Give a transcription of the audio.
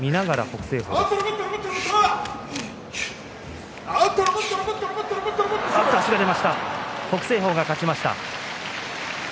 北青鵬が勝ちました。